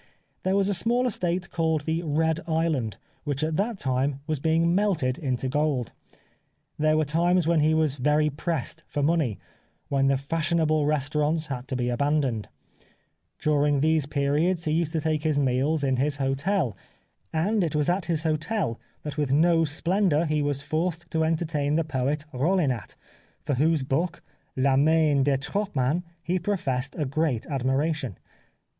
There was a small estate called the Red Island which at that time was being melted into gold. There were times when he was very pressed for money, when the fashion able restaurants had to be abandoned. During these periods he used to take his meals in his hotel, and it was at his hotel that with no 242 The Life of Oscar Wilde splendour he was forced to entertain the poet, RolHnat, for whose book " La Main de Tropp mann " he professed a great admiration.